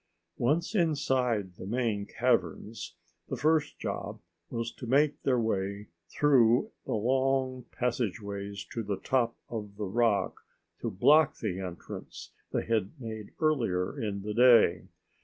Once inside the main caverns, the first job was to make their way through the long passageways to the top of the rock to block the entrance they had made earlier in the day.